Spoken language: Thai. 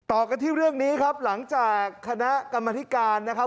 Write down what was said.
ต่อกันที่เรื่องนี้ครับหลังจากคณะกรรมธิการนะครับ